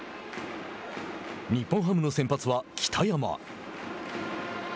日本ハムの先発は、北山。